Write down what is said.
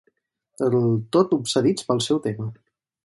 Del tot obsedits pel seu tema.